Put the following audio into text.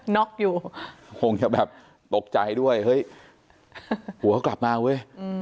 น็อกอยู่คงจะแบบตกใจด้วยเฮ้ยหัวกลับมาเว้ย